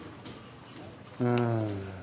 うん。